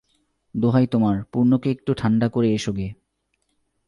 দোহাই তোমার, পূর্ণকে একটু ঠাণ্ডা করে এসোগে।